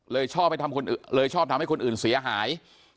เลยชอบทำให้คนอื่นเสียหาย